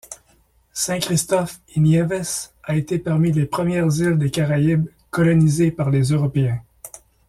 Saint-Christophe-et-Niévès a été parmi les premières îles des Caraïbes colonisées par les Européens.